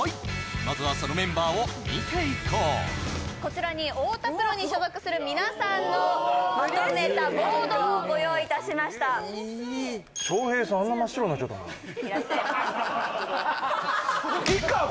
まずはそのメンバーを見ていこうこちらに太田プロに所属する皆さんのまとめたボードをご用意いたしましたになっちゃったんだ